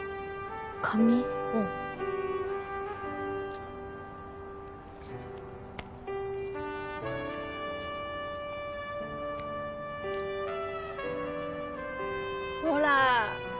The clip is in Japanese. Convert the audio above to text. うん。ほら！